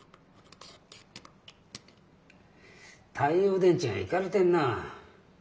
太陽電池がいかれてんなぁ。